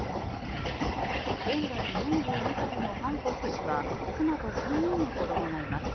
現在、４２歳のハンコック氏は妻と３人の子どもがいます。